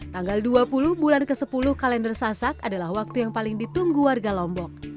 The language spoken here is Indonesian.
tanggal dua puluh bulan ke sepuluh kalender sasak adalah waktu yang paling ditunggu warga lombok